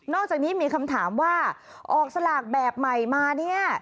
อกจากนี้มีคำถามว่าออกสลากแบบใหม่มาเนี่ย